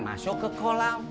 masuk ke kolam